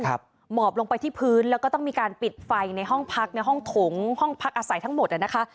หมอบลงไปที่พื้นแล้วก็ต้องมีการปิดไฟในห้องพักในห้องถงห้องพักอาศัยทั้งหมดนะคะ